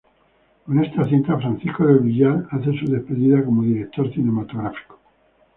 Con esta cinta Francisco del Villar hace su despedida como director cinematográfico.